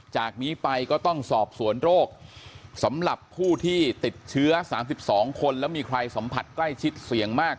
จากนี้ไปก็ต้องสอบสวนโรคสำหรับผู้ที่ติดเชื้อ๓๒คนแล้วมีใครสัมผัสใกล้ชิดเสี่ยงมาก